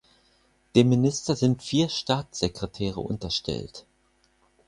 Dem Minister sind vier Staatssekretäre unterstellt.